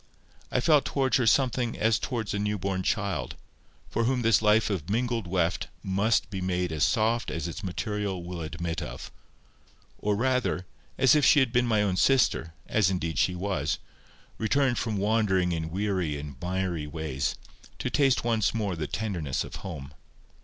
I felt towards her somewhat as towards a new born child, for whom this life of mingled weft must be made as soft as its material will admit of; or rather, as if she had been my own sister, as indeed she was, returned from wandering in weary and miry ways, to taste once more the tenderness of home.